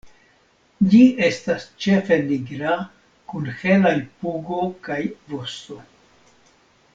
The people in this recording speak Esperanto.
Ĝi estas ĉefe nigra kun helaj pugo kaj vosto.